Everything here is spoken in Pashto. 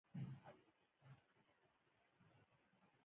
زردالو د افغان کورنیو د دودونو یو مهم عنصر دی.